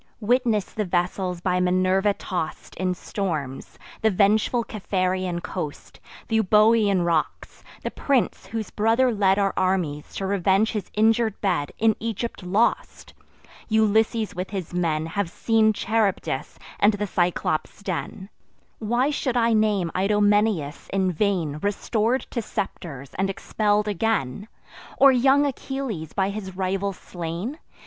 Witness the vessels by Minerva toss'd In storms; the vengeful Capharean coast; Th' Euboean rocks! the prince, whose brother led Our armies to revenge his injur'd bed, In Egypt lost! Ulysses with his men Have seen Charybdis and the Cyclops' den. Why should I name Idomeneus, in vain Restor'd to scepters, and expell'd again? Or young Achilles, by his rival slain?